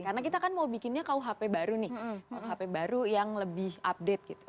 karena kita kan mau bikinnya kuhp baru nih kuhp baru yang lebih update gitu